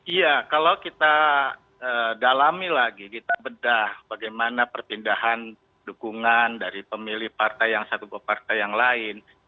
iya kalau kita dalami lagi kita bedah bagaimana perpindahan dukungan dari pemilih partai yang satu ke partai yang lain